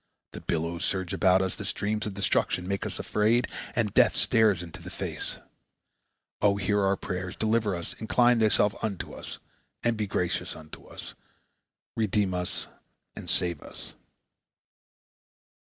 The billows surge about us, the streams of destruction make us afraid, and death stares us in the face. O hear our prayer, deliver us, incline Thyself unto us, and be gracious unto us! Redeem us and save us!"